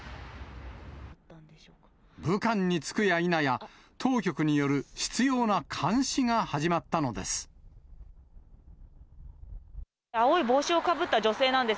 武漢に着くやいなや、当局による執ような監視が始まったのです。